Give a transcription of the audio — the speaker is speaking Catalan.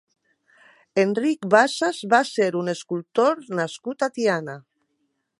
Enric Bassas va ser un escultor nascut a Tiana.